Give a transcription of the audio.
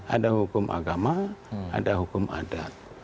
ada hukum agama ada hukum adat